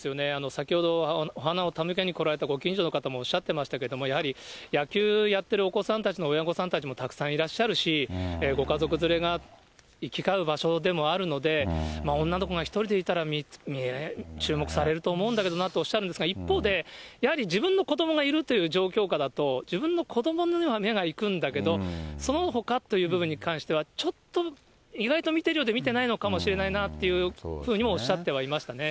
先ほど、お花を手向けに来られたご近所の方もおっしゃってましたけども、やはり野球やってるお子さんたちの親御さんたちもたくさんいらっしゃるし、ご家族連れが行き交う場所でもあるので、女の子が１人でいたら注目されると思うんだけどなとおっしゃるんですが、一方で、やはり自分の子どもがいるという状況下だと、自分の子どもには目が行くんだけど、そのほかという部分に関しては、ちょっと意外と見ているようで、見てないのかもしれないなというふうにもおっしゃってはいましたね。